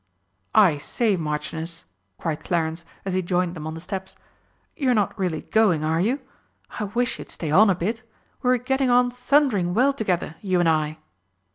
"I say, Marchioness," cried Clarence, as he joined them on the steps, "you're not really going, are you? I wish you'd stay on a bit. We were getting on thundering well together, you and I!"